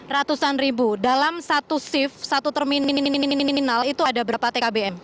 ratusan ribu dalam satu shift satu terminal minimal itu ada berapa tkbm